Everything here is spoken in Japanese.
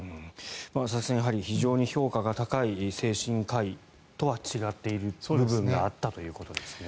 佐々木さん、やはり非常に評価が高い精神科医とは違っている部分があったということですね。